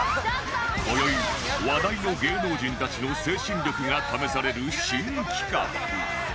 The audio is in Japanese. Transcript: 今宵話題の芸能人たちの精神力が試される新企画